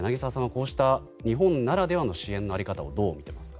こうした日本ならではの支援の在り方をどうみていますか。